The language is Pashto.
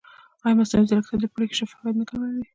ایا مصنوعي ځیرکتیا د پرېکړې شفافیت نه کموي؟